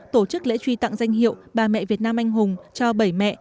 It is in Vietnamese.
tổ chức lễ truy tặng danh hiệu bà mẹ việt nam anh hùng cho bảy mẹ